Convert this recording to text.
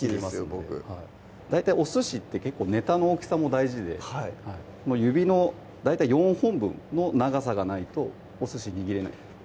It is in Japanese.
僕大体お寿司って結構ネタの大きさも大事で指の大体４本分の長さがないとお寿司握れない